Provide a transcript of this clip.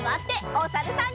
おさるさん。